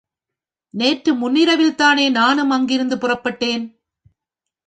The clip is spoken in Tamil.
நேற்று முன்னிரவில்தானே நானும் அங்கிருந்து புறப்பட்டேன்?